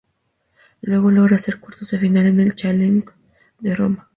Luego logra hacer cuartos de final en el Challenger de Roma.